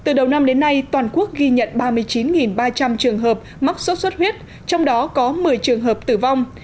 từ đầu năm đến nay toàn quốc ghi nhận ba mươi chín ba trăm linh trường hợp mắc sốt xuất huyết trong đó có một mươi trường hợp tử vong